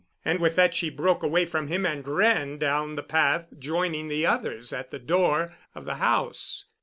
And with that she broke away from him and ran down the path, joining the others at the door of the house.